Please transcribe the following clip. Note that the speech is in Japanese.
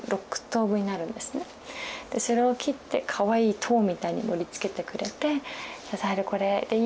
でそれを切ってかわいい塔みたいに盛りつけてくれて「サヘルこれでいい？」